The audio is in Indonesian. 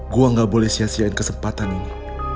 gue gak boleh sia siain kesempatan ini